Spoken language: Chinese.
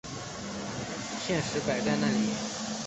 现实摆在哪里！